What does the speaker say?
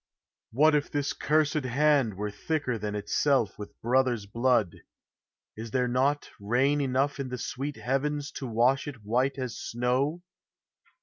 What if this cursed hand Were thicker than itself with brother's blood, Is there not rain enough in the sweet heavens To wash it white as snow?